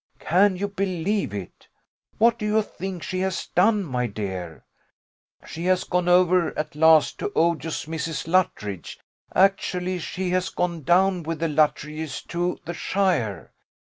Can you believe it? What do you think she has done, my dear? She has gone over at last to odious Mrs. Luttridge actually she has gone down with the Luttridges to shire.